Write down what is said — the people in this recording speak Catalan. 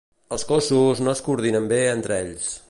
Els cossos no es coordinen bé entre ells.